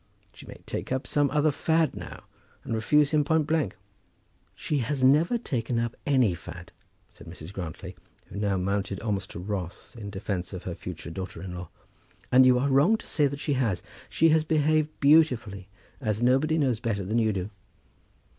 She may take up some other fad now, and refuse him point blank." "She has never taken up any fad," said Mrs. Grantly, who now mounted almost to wrath in defence of her future daughter in law, "and you are wrong to say that she has. She has behaved beautifully; as nobody knows better than you do."